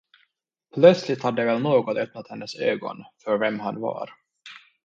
Plötsligt hade väl något öppnat hennes ögon för vem han var.